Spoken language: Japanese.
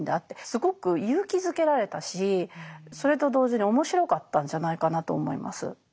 すごく勇気づけられたしそれと同時に面白かったんじゃないかなと思います。